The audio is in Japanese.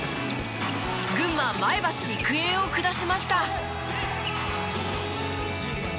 群馬前橋育英を下しました！